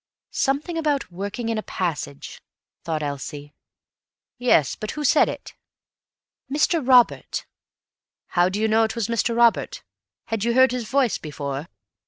Something about working in a passage, thought Elsie. "Yes, but who said it?" "Mr. Robert." "How do you know it was Mr. Robert? Had you heard his voice before?"